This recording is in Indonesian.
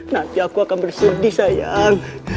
nanti aku akan bersurdi sayang